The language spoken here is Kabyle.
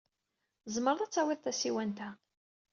Tzemred ad tawid tasiwant-a.